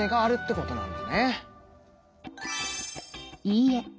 いいえ。